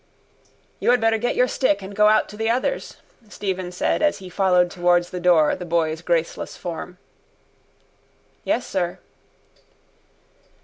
—You had better get your stick and go out to the others, Stephen said as he followed towards the door the boy's graceless form. —Yes, sir.